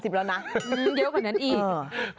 อือเยอะกว่านั้นอีก